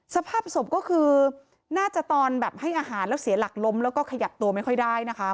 สภาพศพก็คือน่าจะตอนแบบให้อาหารแล้วเสียหลักล้มแล้วก็ขยับตัวไม่ค่อยได้นะคะ